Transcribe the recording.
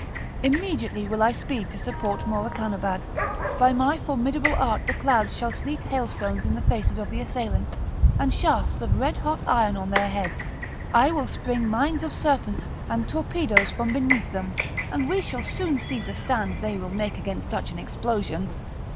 Immediately will I speed to support Morakanabad; by my formidable art the clouds shall sleet hailstones in the faces of the assailants, and shafts of red hot iron on their heads; I will spring mines of serpents and torpedos from beneath them, and we shall soon see the stand they will make against such an explosion!"